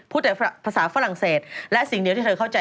แต่ภาษาฝรั่งเศสและสิ่งเดียวที่เธอเข้าใจ